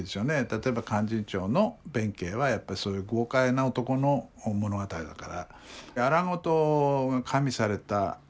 例えば「勧進帳」の弁慶はやっぱりそういう豪快な男の物語だから。